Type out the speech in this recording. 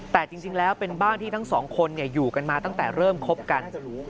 แต่จริงแล้วเป็นบ้านที่ทั้งสองคนอยู่กันมาตั้งแต่เริ่มคบกัน